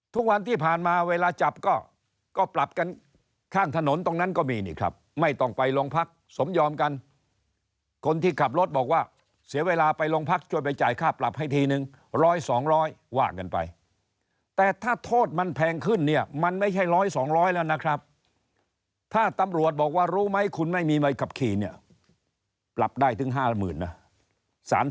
ทุกวันที่ผ่านมาเวลาจับก็ปรับกันข้างถนนตรงนั้นก็มีนี่ครับไม่ต้องไปโรงพักสมยอมกันคนที่ขับรถบอกว่าเสียเวลาไปโรงพักช่วยไปจ่ายค่าปรับให้ทีนึงร้อยสองร้อยว่ากันไปแต่ถ้าโทษมันแพงขึ้นเนี่ยมันไม่ใช่ร้อยสองร้อยแล้วนะครับถ้าตำรวจบอกว่ารู้ไหมคุณไม่มีใบขับขี่เนี่ยปรับได้ถึง๕๐๐๐นะ